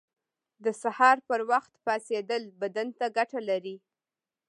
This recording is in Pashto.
• د سهار پر وخت پاڅېدل بدن ته ګټه لري.